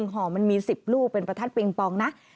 ห่อมันมี๑๐ลูกเป็นประทัดปิงปองนะ